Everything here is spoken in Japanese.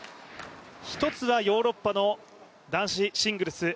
１つはヨーロッパの男子シングルス